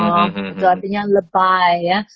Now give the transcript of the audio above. itu artinya lebay ya